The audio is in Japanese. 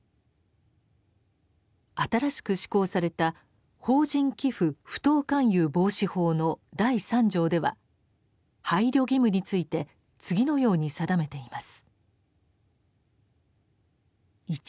新しく施行された「法人寄附不当勧誘防止法」の第三条では配慮義務について次のように定めています。